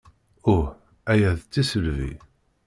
Uh, aya d tisselbi.